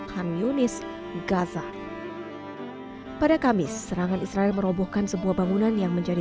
hang yunis gaza pada kamis serangan israel merobohkan sebuah bangunan yang menjadi